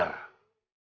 mereka tidak sadar